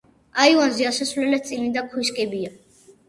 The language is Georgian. აივანზე ასასვლელად წინიდან ქვის კიბეა.